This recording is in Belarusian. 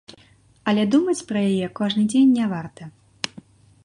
Але думаць пра яе кожны дзень не варта.